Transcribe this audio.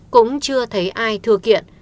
cũng chưa thấy ai thừa kiện